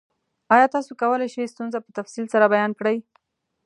ایا تاسو کولی شئ ستونزه په تفصیل سره بیان کړئ؟